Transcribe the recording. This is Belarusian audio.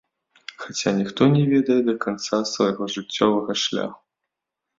Хаця ніхто не ведае да канца свайго жыццёвага шляху.